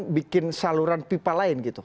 bikin saluran pipa lain gitu